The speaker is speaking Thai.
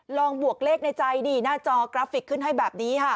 บวกเลขในใจนี่หน้าจอกราฟิกขึ้นให้แบบนี้ค่ะ